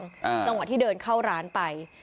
กระมวดที่เดินเข้าร้านไป